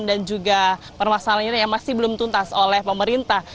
dan juga permasalahan ini yang masih belum tuntas oleh pemerintah